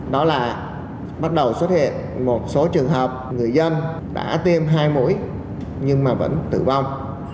đó là bắt đầu xuất hiện một số trường hợp người dân đã tiêm hai mũi nhưng mà vẫn tử vong